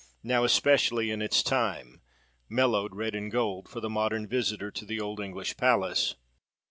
—now especially, in its time mellowed red and gold, for the modern visitor to the old English palace.